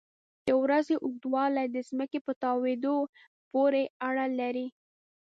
د ورځې اوږدوالی د ځمکې په تاوېدو پورې اړه لري.